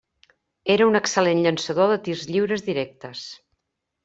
Era un excel·lent llançador de tirs lliures directes.